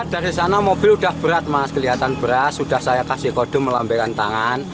dari sana mobil sudah berat kelihatan berat sudah saya kasih kodum melambai tangan